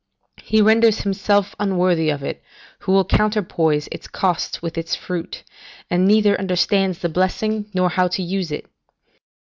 He renders himself unworthy of it who will counterpoise its cost with its fruit, and neither understands the blessing nor how to use it.